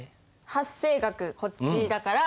発生額こっちだから。